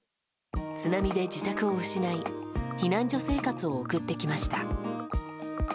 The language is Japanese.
津波で自宅を失い避難所生活を送ってきました。